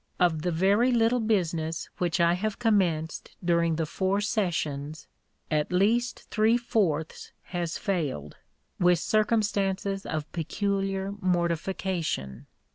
Of the very little business which I have commenced during the four sessions, at least three fourths has failed, with circumstances of peculiar mortification.